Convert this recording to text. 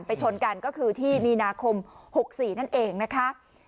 ชนกันก็คือที่มีนาคม๖๔นั่นเองนะคะ